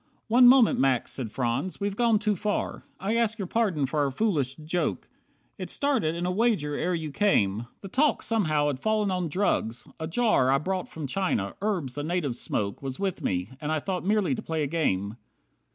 "One moment, Max," said Franz. "We've gone too far. I ask your pardon for our foolish joke. It started in a wager ere you came. The talk somehow had fall'n on drugs, a jar I brought from China, herbs the natives smoke, Was with me, and I thought merely to play a game.